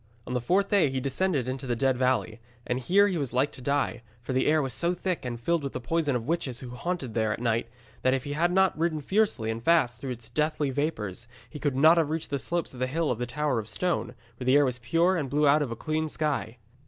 On the fourth day he descended into the Dead Valley. And here he was like to die, for the air was so thick, and filled with the poison of witches who haunted there at night, that if he had not ridden fiercely and fast through its deathly vapours, he could not have reached the slopes of the Hill of the Tower of Stone, where the air was pure and blew out of the clean sky.